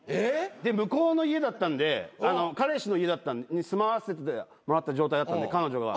で向こうの家だったんで彼氏の家に住まわせてもらった状態だったので彼女が。